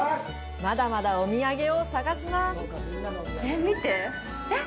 まだまだお土産を探しますえっ？